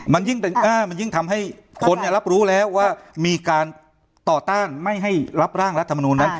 มันยิ่งทำให้คนรับรู้แล้วว่ามีการต่อต้านไม่ให้รับร่างรัฐมนูลนั้น